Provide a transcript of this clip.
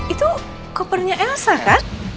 itu kopernya elsa kan